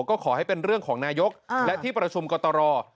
ก็ขอให้เป็นเรื่องของนายกและที่ประชุมกตร